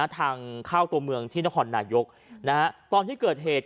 ทางเข้าตัวเมืองที่นครนายกตอนที่เกิดเหตุ